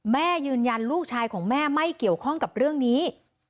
แม่ยืนยันลูกชายของแม่ไม่เกี่ยวข้องกับเรื่องนี้